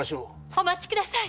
お待ちください！